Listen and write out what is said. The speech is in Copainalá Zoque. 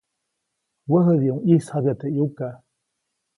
Wäjädiʼuŋ ʼyisjabya teʼ ʼyuka.